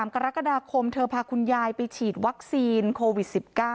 กรกฎาคมเธอพาคุณยายไปฉีดวัคซีนโควิด๑๙